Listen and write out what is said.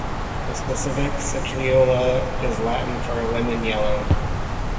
The specific "citreola" is Latin for "lemon yellow".